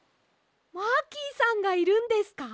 マーキーさんがいるんですか？